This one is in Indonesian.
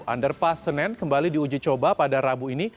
underpass senen kembali diuji coba pada rabu ini